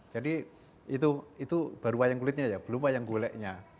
jadi itu baru wayang kulitnya ya belum wayang goleknya